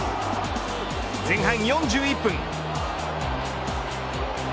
前半４１分。